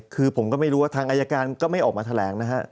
คือผมก็ไม่รู้ว่าทางอายการก็ไม่ออกมาแถลงนะฮะ